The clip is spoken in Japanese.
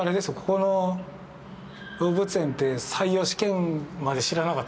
ここの動物園って採用試験まで知らなかったです。